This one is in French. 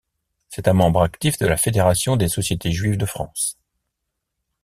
C'est un membre actif de la Fédération des sociétés juives de France.